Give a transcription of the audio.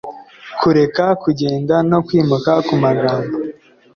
kureka kugenda no kwimuka kumagambo